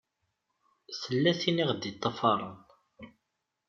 Tella tin i ɣ-d-iṭṭafaṛen.